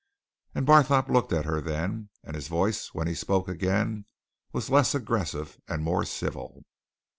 And Barthorpe looked at her then, and his voice, when he spoke again, was less aggressive and more civil.